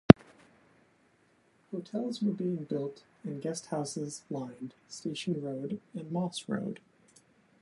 Hotels were being built and guesthouses lined Station Road and Moss Road.